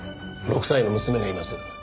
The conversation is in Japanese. ６歳の娘がいます。